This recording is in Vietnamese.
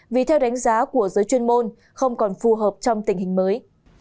vì theo đánh giá của giới chuyên môn không còn phù hợp trong tình hình mới